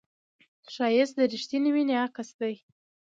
ښایست د رښتینې مینې عکس دی